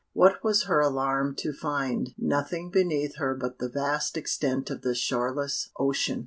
What was her alarm to find nothing beneath her but the vast extent of the shoreless ocean.